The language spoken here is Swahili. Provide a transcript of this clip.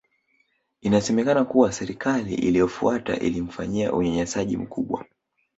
Inasemekana kuwa Serikali iliyofuata ilimfanyia unyanyasaji mkubwa